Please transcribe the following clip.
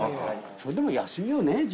それでも安いよね